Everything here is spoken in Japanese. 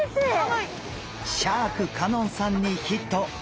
シャーク香音さんにヒット！